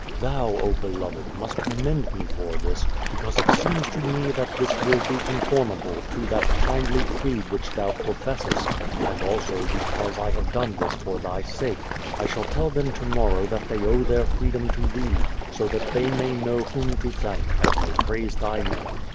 Thou, oh beloved, must commend me for this, because it seems to me that this will be conform able to that kindly creed which thou professest, and also be cause I have done this for thy sake. I shall tell them to morrow that they owe their freedom to thee, so that they may know whom to thank, and may praise thy name.